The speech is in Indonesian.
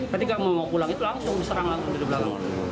ketika mau pulang itu langsung diserang langsung dari belakang